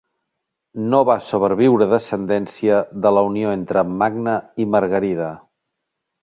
No va sobreviure descendència de la unió entre Magne i Margarida.